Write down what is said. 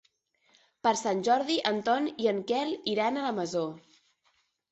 Per Sant Jordi en Ton i en Quel iran a la Masó.